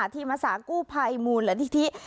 ทีมศาสตร์กู้พัยมูลและที